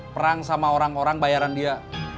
perang sama orang orang bayaran dia